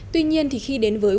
tuy nhiên thì khi đến đây